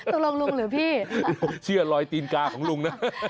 ลุงหรือพี่เชื่อลอยตีนกาของลุงนะ